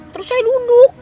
terus saya duduk